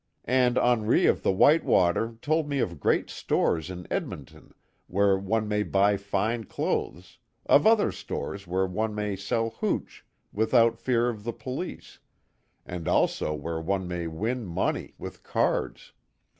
And Henri of the White Water told me of the great stores in Edmonton where one may buy fine clothes, of other stores where one may sell hooch without fear of the police, and also where one may win money with cards.